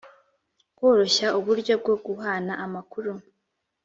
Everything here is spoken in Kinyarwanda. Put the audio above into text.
kworoshya uburyo bwo guhana amakuru